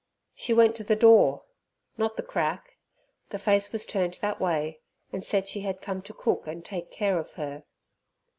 She went to the door, not the crack, the face was turned that way, and said she had come to cook and take care of her.